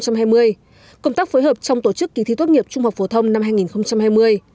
công tác phối hợp trong tổ chức kỳ thi tốt nghiệp trung học phổ thông năm hai nghìn hai mươi